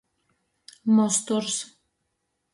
Musturs.